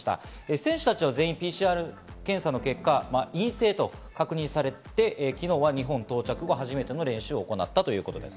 選手たちは全員ＰＣＲ検査の結果、陰性と確認されて昨日は日本に到着後、初めての練習を行ったということです。